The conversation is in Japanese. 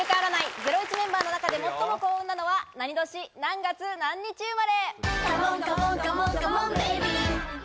ゼロイチメンバーの中で最も幸運なのは何年何月何日生まれ？